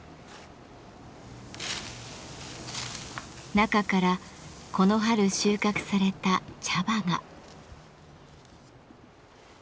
中からこの春収穫された茶葉が。